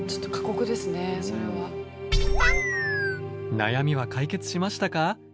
悩みは解決しましたか？